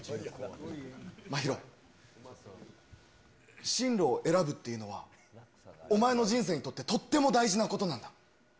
真宙、進路を選ぶっていうのは、お前の人生にとって、とっても大事なことなんだ。